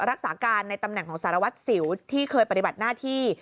รักษาการในตำแหน่งของสารวัตรสิวที่เคยปฏิบัติหน้าที่